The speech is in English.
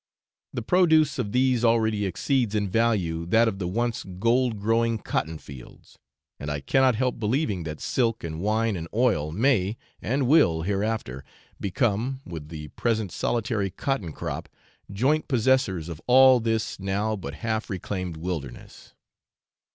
The produce of these already exceeds in value that of the once gold growing cotton fields, and I cannot help believing that silk and wine and oil may, and will, hereafter, become, with the present solitary cotton crop, joint possessors of all this now but half reclaimed wilderness.